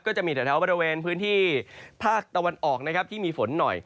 จะมีแถวบริเวณพื้นที่ภาคตะวันออกนะครับที่มีฝนหน่อย